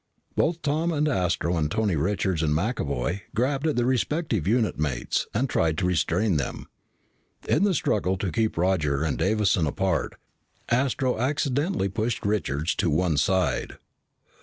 Both Tom and Astro and Tony Richards and McAvoy grabbed at their respective unit mates and tried to restrain them. In the struggle to keep Roger and Davison apart, Astro accidentally pushed Richards to one side.